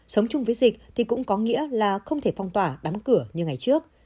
sống chung với dịch thì cũng có nghĩa là không thể phong tỏa đóng cửa như ngày trước